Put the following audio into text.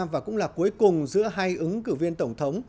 và cũng là cuối cùng giữa hai ứng cử viên tổng thống